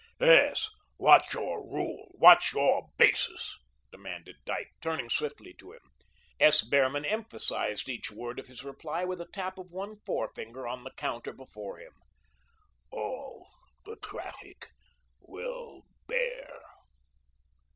"Yes, what's your rule? What's your basis?" demanded Dyke, turning swiftly to him. S. Behrman emphasised each word of his reply with a tap of one forefinger on the counter before him: "All the traffic will bear."